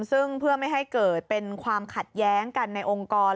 ซึ่งเพื่อไม่ให้เกิดเป็นความขัดแย้งกันในองค์กร